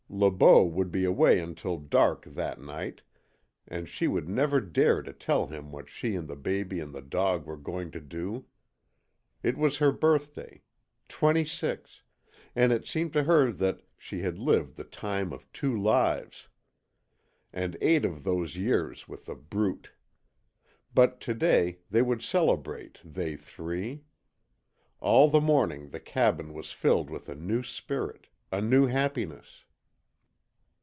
Le Beau would be away until dark that night, and she would never dare to tell him what she and the baby and the dog were going to do. It was her birthday. Twenty six; and it seemed to her that she had lived the time of two lives! And eight of those years with The Brute! But to day they would celebrate, they three. All the morning the cabin was filled with a new spirit a new happiness.